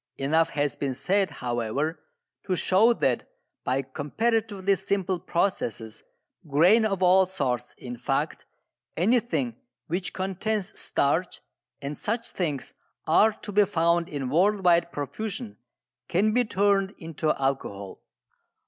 Enough has been said, however, to show that by comparatively simple processes grain of all sorts, in fact, anything which contains starch, and such things are to be found in worldwide profusion, can be turned into alcohol.